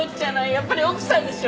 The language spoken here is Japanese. やっぱり奥さんでしょ。